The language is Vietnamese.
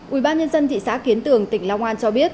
ubnd thị xã kiến tường tỉnh long an cho biết